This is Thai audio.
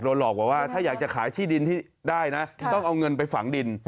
หลอกบอกว่าถ้าอยากจะขายที่ดินที่ได้นะต้องเอาเงินไปฝังดิน